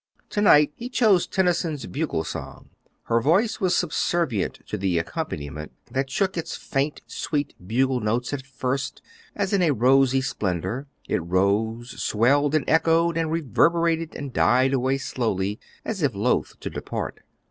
To night he chose Tennyson's Bugle song. Her voice was subservient to the accompaniment, that shook its faint, sweet bugle notes at first as in a rosy splendor; it rose and swelled and echoed and reverberated and died away slowly as if loath to depart.